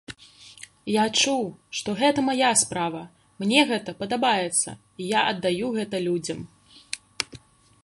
Я адчуў, што гэта мая справа, мне гэта падабаецца, і я аддаю гэта людзям.